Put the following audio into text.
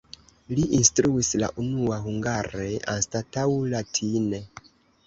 Li instruis la unua hungare anstataŭ latine.